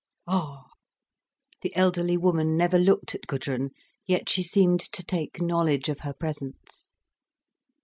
"Ah!" The elderly woman never looked at Gudrun, yet she seemed to take knowledge of her presence.